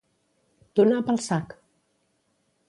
Donar pel sac.